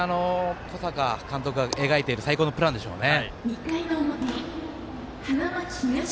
それが小坂監督が描いている最高のプランでしょうね。